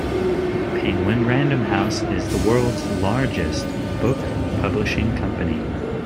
Penguin Random House is the world's largest book publishing company.